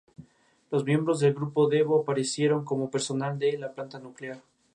Estudió en la Universidad de Harvard y en la Universidad de Yale.